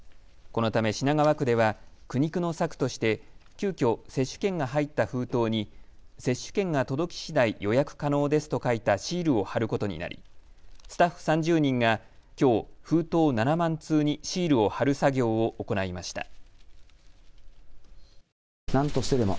このため品川区では苦肉の策として急きょ、接種券が入った封筒に接種券が届きしだい予約可能ですと書いたシールを貼ることになりスタッフ３０人がきょう、封筒７万通にシールを貼る作業を行いました。